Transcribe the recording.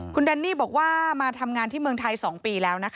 คุณแดนนี่บอกว่ามาทำงานที่เมืองไทย๒ปีแล้วนะคะ